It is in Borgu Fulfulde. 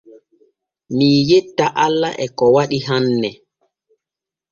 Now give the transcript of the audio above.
Mii yetta alla e ko waɗi hanne.